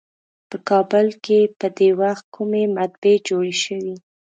په کابل کې په دې وخت کومې مطبعې جوړې شوې.